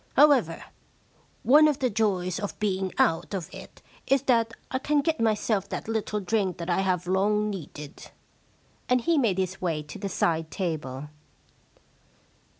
However, one of the joys of being out of it is that I can get myself that little drink that I have long needed.' And he made jiis way to the side table.